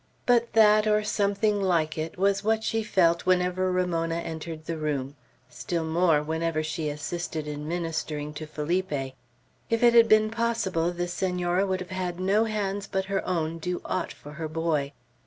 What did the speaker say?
But that, or something like it, was what she felt whenever Ramona entered the room; still more, whenever she assisted in ministering to Felipe. If it had been possible, the Senora would have had no hands but her own do aught for her boy.